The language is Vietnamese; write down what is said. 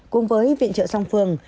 cùng với viện trợ song phương